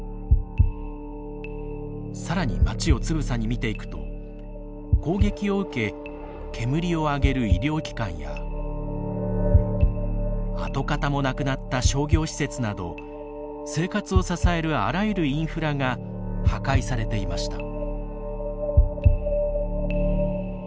さらに町をつぶさに見ていくと攻撃を受け煙を上げる医療機関や跡形もなくなった商業施設など生活を支えるあらゆるインフラが破壊されていました。